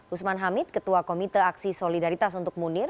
usman hamid ketua komite aksi solidaritas untuk munir